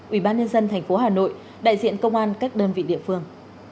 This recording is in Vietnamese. ủy ban nhân dân thành phố hà nội đại diện công an các đơn vị địa phương